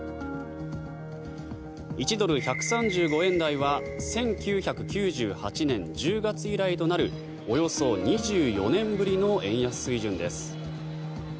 １ドル＝１３５円台は１９９８年１０月以来となるおよそ２４年ぶりの円安水準です。